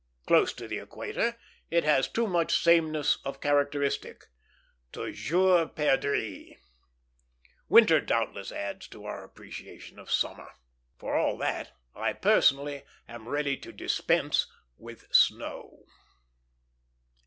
Close to the equator, it has too much sameness of characteristic; toujours perdrix. Winter doubtless adds to our appreciation of summer. For all that, I personally am ready to dispense with snow.